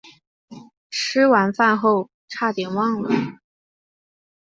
吃完饭后差点忘了